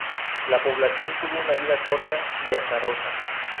La población tuvo una vida corta y azarosa.